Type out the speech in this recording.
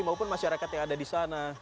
maupun masyarakat yang ada di sana